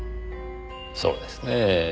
そうですねぇ。